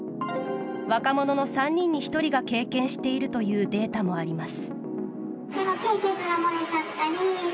若者の３人に１人が経験しているというデータもあります。